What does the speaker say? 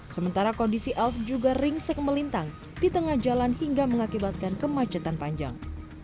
sementara kondisi elf juga ringsek melintang di tengah jalan hingga mengakibatkan kemacetan panjang